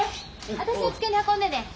私の机に運んでね。